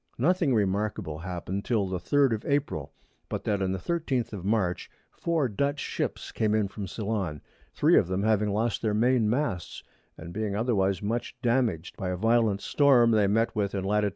Nothing remarkable happen'd till the 3_d_ of April, but that on the 13_th_ of March 4 Dutch Ships came in from Ceylon, 3 of them having lost their Main Masts, and being otherwise much damaged by a violent Storm they met with in Lat.